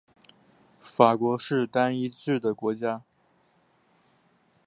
法国是单一制国家。